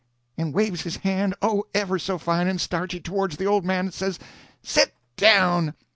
and waves his hand, oh, ever so fine and starchy, towards the old man, and says: "Set down!